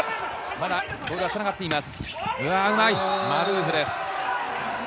まだボールはつながっています。